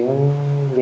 nhớ mọi người